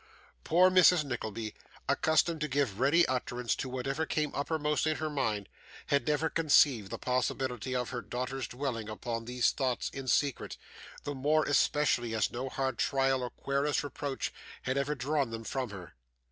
Poor Mrs. Nickleby, accustomed to give ready utterance to whatever came uppermost in her mind, had never conceived the possibility of her daughter's dwelling upon these thoughts in secret, the more especially as no hard trial or querulous reproach had ever drawn them from her.